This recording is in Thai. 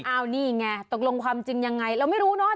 นี่ไงตกลงความจริงยังไงเราไม่รู้เนอะ